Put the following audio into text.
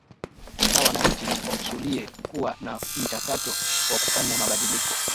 na wananchi wakusudie kuwa na mchakato wa kufanya mabadiliko